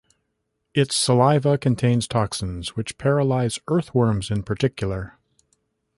Its saliva contains toxins which paralyze earthworms in particular.